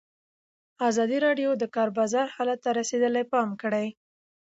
ازادي راډیو د د کار بازار حالت ته رسېدلي پام کړی.